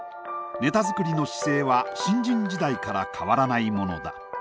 ネタ作りの姿勢は新人時代から変わらないものだ。